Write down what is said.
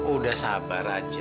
udah sabar aja